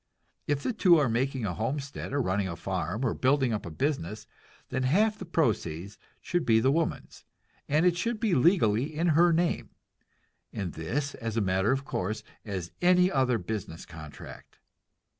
If the two are making a homestead, or running a farm, or building up a business, then half the proceeds should be the woman's; and it should be legally in her name, and this as a matter of course, as any other business contract.